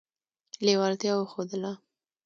لېوالتیا وښودله.